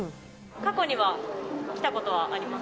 過去には来たことはあります